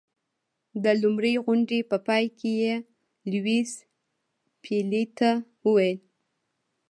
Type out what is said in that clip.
د لومړۍ غونډې په پای کې یې لیویس پیلي ته وویل.